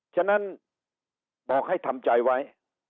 ฉะนั้นบอกให้ทำใจไว้